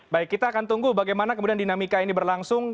baik kita akan tunggu bagaimana kemudian dinamika ini berlangsung